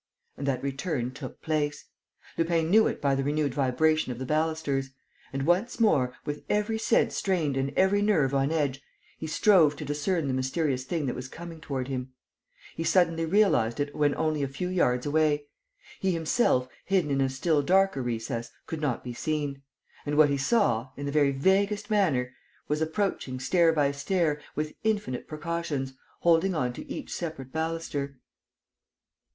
And that return took place. Lupin knew it by the renewed vibration of the balusters. And, once more, with every sense strained and every nerve on edge, he strove to discern the mysterious thing that was coming toward him. He suddenly realized it when only a few yards away. He himself, hidden in a still darker recess, could not be seen. And what he saw in the very vaguest manner was approaching stair by stair, with infinite precautions, holding on to each separate baluster.